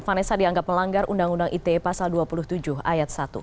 vanessa dianggap melanggar undang undang ite pasal dua puluh tujuh ayat satu